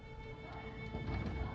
dan menggunakan kaki yang terlalu besar